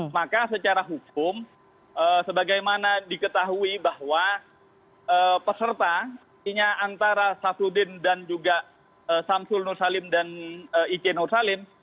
maka secara hukum sebagaimana diketahui bahwa peserta artinya antara safruddin dan juga samsul nur salim dan ijen nur salim